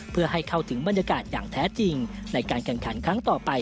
เพื่อให้เข้าถึงบรรยากาศอย่างแท้จริงในการแข่งขันครั้งต่อไป